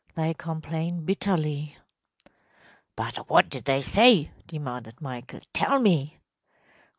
They complain bitterly.‚ÄĚ “But what did they say?‚ÄĚ demanded Michael. “Tell me!